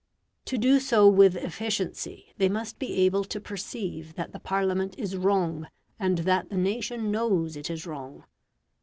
To do so with efficiency they must be able to perceive that the Parliament is wrong, and that the nation knows it is wrong.